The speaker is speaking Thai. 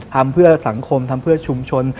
ทำเพื่อสังคมทำเพื่อชุมชน